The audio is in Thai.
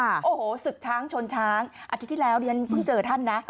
โอ้โหศึกช้างชนช้างอาทิตย์ที่แล้วเรียนเพิ่งเจอท่านนะ